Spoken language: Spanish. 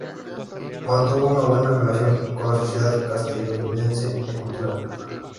Mantuvo una buena relación con la Sociedad Castellonense de Cultura.